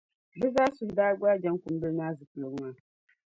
Bɛ zaa suhu daa gbaai Jaŋkumbila maa zupiligu maa.